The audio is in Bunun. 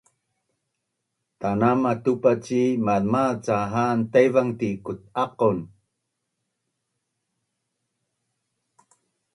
Tanama tupa ci mazmaz ca han Taivang ti kut’aqon?